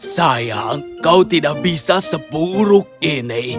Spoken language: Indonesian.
sayang kau tidak bisa sepuruk ini